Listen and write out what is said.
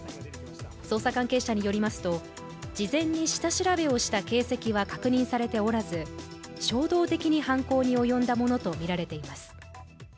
捜査関係者によりますと事前に下調べをした形跡は確認されておらず、衝動的に犯行に及んだものとみられています。